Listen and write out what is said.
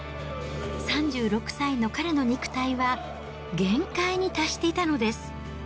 ３６歳の彼の肉体は限界に達していたのです。